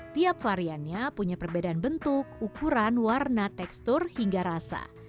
tiap variannya punya perbedaan bentuk ukuran warna tekstur hingga rasa